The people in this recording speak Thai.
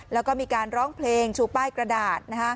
แล้วก็มีการร้องเพลงชูป้ายกระดาษ